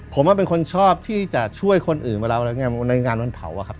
ผมว่าเป็นคนชอบที่จะช่วยคนอื่นเวลาอะไรอย่างงี้ในงานวันเผาอ่ะครับ